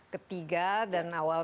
ketiga dan awal